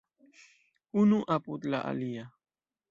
Unu apud la alia.